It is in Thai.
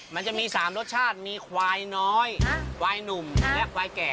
มันจะมี๓รสชาติมีควายน้อยควายหนุ่มและควายแก่